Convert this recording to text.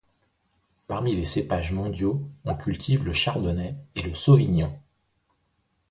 Parmi les cépages mondiaux on cultive le chardonnay et le sauvignon.